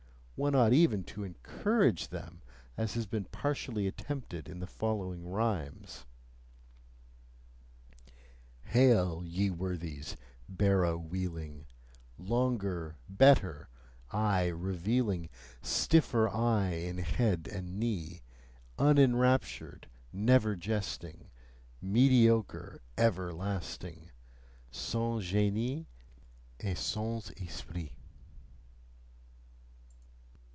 One ought even to ENCOURAGE them, as has been partially attempted in the following rhymes: Hail, ye worthies, barrow wheeling, "Longer better," aye revealing, Stiffer aye in head and knee; Unenraptured, never jesting, Mediocre everlasting, SANS GENIE ET SANS ESPRIT!